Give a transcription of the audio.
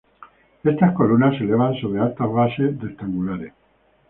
Estas columnas se elevan sobre altas basas rectangulares.